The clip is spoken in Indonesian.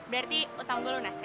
berarti utang gue lunas ya